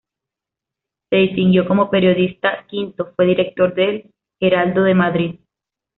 Se distinguió como periodista v fue director del "Heraldo de Madrid".